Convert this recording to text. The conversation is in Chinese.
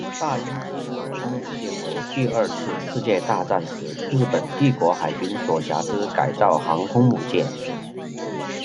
大鹰级航空母舰为第二次世界大战时日本帝国海军所辖之改造航空母舰。